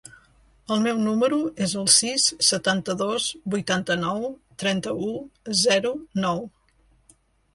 El meu número es el sis, setanta-dos, vuitanta-nou, trenta-u, zero, nou.